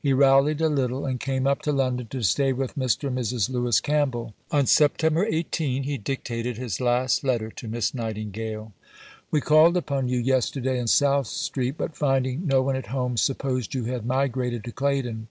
He rallied a little and came up to London to stay with Mr. and Mrs. Lewis Campbell. On September 18 he dictated his last letter to Miss Nightingale: "We called upon you yesterday in South Street, but finding no one at home supposed you had migrated to Claydon.